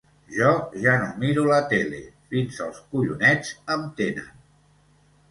Jo ja no miro la tele; fins el collonets, em tenen.